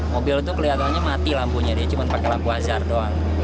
mobil itu kelihatannya mati lampunya dia cuma pakai lampu azhar doang